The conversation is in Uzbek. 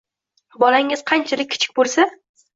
Bolangiz qanchalik kichik bo‘lsa